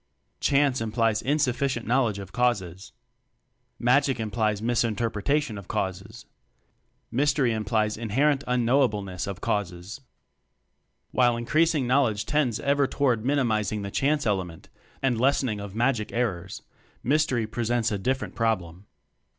"Chance" implies insufficient knowl edge of causes. "Magic" implies misinterpretation of causes. "Mystery" implies inherent un knowableness of causes. While increasing knowledge tends ever toward minimizing the "chance" element and lessening of "magic" errors, mystery presents a different problem.